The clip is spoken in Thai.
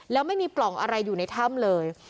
แล้วไม่มีปล่องอะไรอยู่ในถ้ำเลย